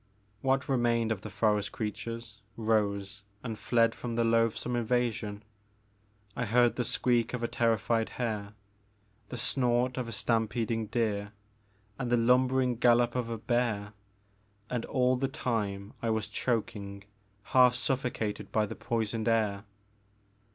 What remained of the forest creatures rose and fled from the loathsome invasion ; I heard the squeak of a terrified hare, the snort of stampeding deer, and the lumbering gallop of a bear ; and all the time I was choking, half sufibcated by the poisoned air.